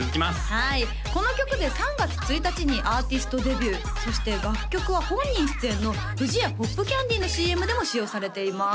はいこの曲で３月１日にアーティストデビューそして楽曲は本人出演の不二家ポップキャンディのＣＭでも使用されています